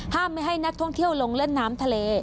ไม่ให้นักท่องเที่ยวลงเล่นน้ำทะเล